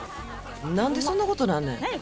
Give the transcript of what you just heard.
何でそんなことなるねん！